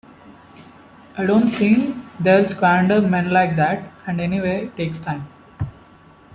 I don't think they'll squander men like that, and anyway it takes time.